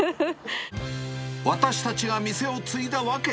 私たちが店を継いだ訳。